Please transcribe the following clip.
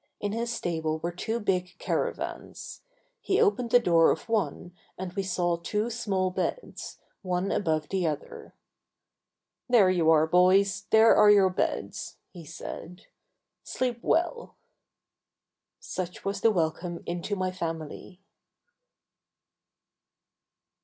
In this stable were two big caravans. He opened the door of one and we saw two small beds, one above the other. "There you are, boys, there are your beds," he said. "Sleep well." Such was the welcome into my family.